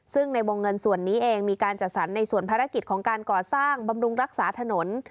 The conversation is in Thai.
ซึ่งในวงเงินส่วนนี้เองมีการจัดสรรในส่วนภารกิจของการก่อสร้างบำรุงรักษาถนน